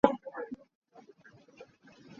Ar na rel kho hna maw?